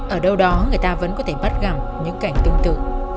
ở đâu đó người ta vẫn có thể bắt gặp những cảnh tương tự